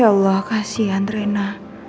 ya allah kasian rena